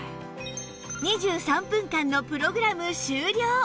２３分間のプログラム終了